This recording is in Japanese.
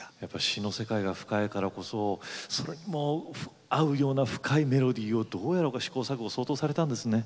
詞の世界が深いからこそそれに合うような深いメロディーをどうやろうか試行錯誤相当されたんですね。